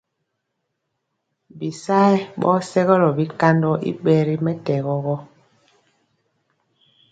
Bisayɛ ɓɔ sɛgɔlɔ bikandɔ i ɓɛ ri mɛtɛgɔ.